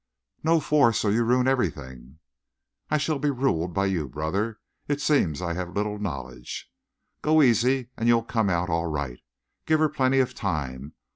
"No force or you ruin everything." "I shall be ruled by you, brother. It seems I have little knowledge." "Go easy always and you'll come out all right. Give her plenty of time.